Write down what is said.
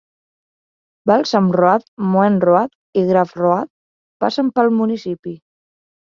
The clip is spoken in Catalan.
Balsam Road, Moen Road i Graff Road passen pel municipi.